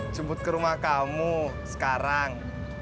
jemput ke rumah kamu sekarang